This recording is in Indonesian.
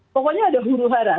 pokoknya ada huru hara